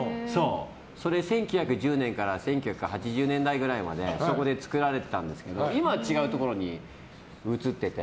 １９１０年から１９８０年代までそこで作られてたんですけど今は違うところに移ってて。